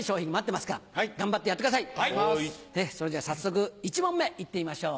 それじゃ早速１問目いってみましょう。